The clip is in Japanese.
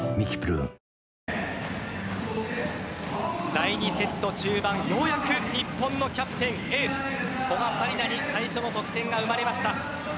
第２セット中盤ようやく日本のキャプテンエース古賀紗理那に最初の得点が生まれました。